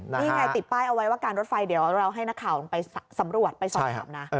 นี่ไงติดป้ายเอาไว้ว่าการรถไฟเดี๋ยวเราให้นักข่าวลงไปสำรวจไปสอบถามนะ